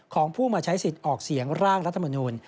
ของผู้มาใช้สิทธิ์ออกเสียงร่างรัฐมนูล